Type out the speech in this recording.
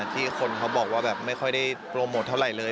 ที่คนเขาบอกว่าแบบไม่ค่อยได้โปรโมทเท่าไหร่เลย